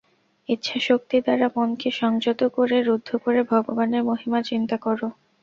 ইচ্ছাশক্তি দ্বারা মনকে সংযত করে, রুদ্ধ করে ভগবানের মহিমা চিন্তা কর।